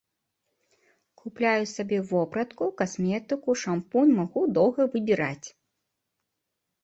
Купляю сабе вопратку, касметыку, шампунь магу доўга выбіраць.